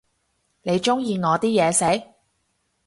你鍾意我啲嘢食？